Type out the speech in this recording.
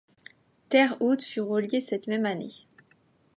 Terre Haute fut reliée cette même année.